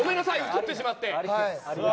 映ってしまって。